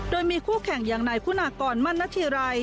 โดยมีคู่แข่งอย่างนายคุณากรมั่นณธีรัย